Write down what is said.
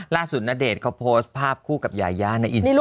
ล่าสุดนาเดชน์เขาโพสต์ภาพคู่กับยายาในอินสตาแกรม